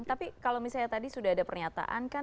tapi kalau misalnya tadi sudah ada pernyataan kan